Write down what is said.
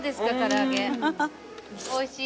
おいしい？